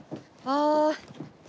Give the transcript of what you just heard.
ああ。